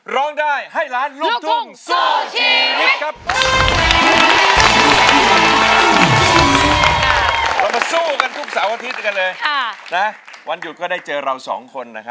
ร้องได้ให้ล้านลูกทุ่ง